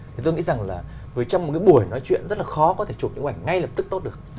thì tôi nghĩ rằng là với trong một cái buổi nói chuyện rất là khó có thể chụp những ảnh ngay lập tức tốt được